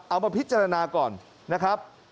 เอามาพิจารณาก่อนนะครับ